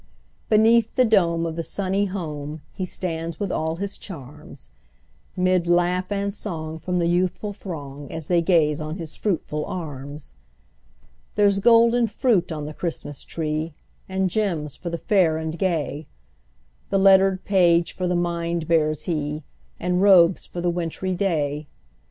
Beneath the dome of the sunny home, He stands with all his charms; 'Mid laugh and song from the youthful throng, As they gaze on his fruitful arms. There's golden fruit on the Christmas tree, And gems for the fair and gay; The lettered page for the mind bears he, And robes for the wintry day.